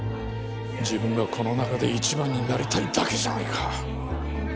自分がこの中で一番になりたいだけじゃないか！